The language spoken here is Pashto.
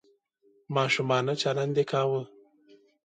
ماشومانه چلند یې کاوه .